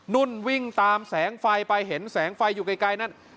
นุ่นวิ่งตามแสงไฟไปเห็นแสงไฟอยู่ไกลนั่น